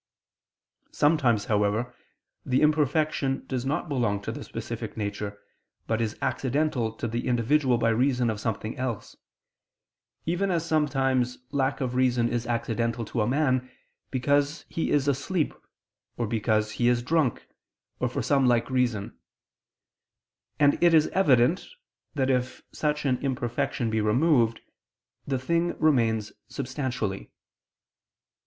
Sometimes, however, the imperfection does not belong to the specific nature, but is accidental to the individual by reason of something else; even as sometimes lack of reason is accidental to a man, because he is asleep, or because he is drunk, or for some like reason; and it is evident, that if such an imperfection be removed, the thing remains substantially.